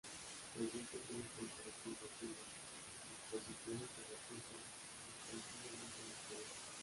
La iglesia tiene planta de cruz latina, disposición que se acusa ostensiblemente al exterior.